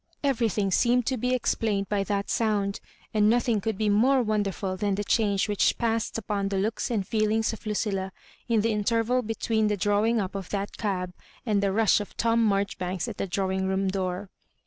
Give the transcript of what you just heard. Everything seemed to be explained by that sound; and nothing could be more wonderful than the change which passed upon the looks and feelings of Lucilla, in the interval between the drawing up of that cab and the rush of Tom Maijoribanks at the draw ing room door.